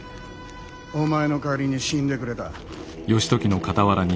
お前の代わりに死んでくれた。